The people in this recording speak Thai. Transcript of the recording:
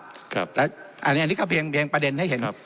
ครับและอันนี้อันนี้ก็เพียงเพียงประเด็นให้เห็นครับ